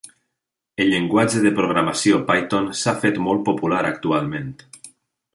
El llenguatge de programació python s'ha fet molt popular actualment.